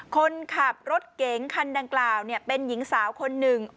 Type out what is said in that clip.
คนขับรถเก๋งคันดังกล่าวเป็นหญิงสาวคนหนึ่ง